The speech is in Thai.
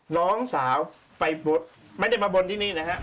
น้องสาวไปบนไม่ได้มาบนที่นี่นะฮะ